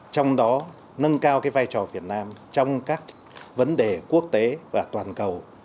trong đó nâng cao vai trò việt nam trong các vấn đề quốc tế và toàn cầu